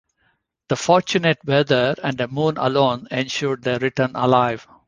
The fortunate weather and a moon alone ensured their return alive.